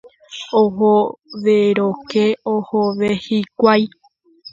Ohovérõke ohove hikuái.